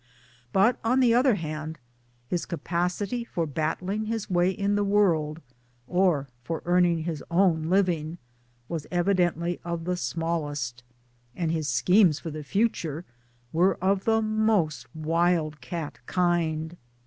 But on the other hand his capacity for battling his way in the world, or for earning his own living, was evidently of the smallest ; and his schemes for the future were of the most wild cat kind.